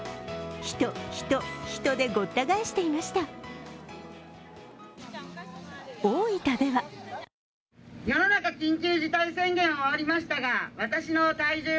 人、人、人でごった返していました。